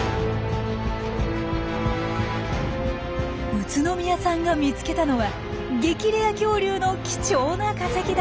宇都宮さんが見つけたのは激レア恐竜の貴重な化石だったんです！